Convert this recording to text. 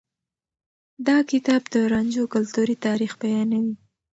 دا کتاب د رانجو کلتوري تاريخ بيانوي.